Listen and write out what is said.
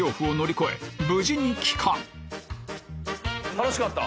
楽しかった？